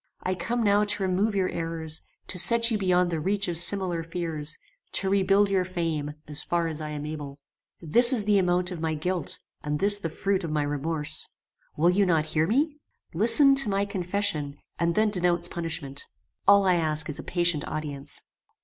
I come now to remove your errors; to set you beyond the reach of similar fears; to rebuild your fame as far as I am able. "This is the amount of my guilt, and this the fruit of my remorse. Will you not hear me? Listen to my confession, and then denounce punishment. All I ask is a patient audience."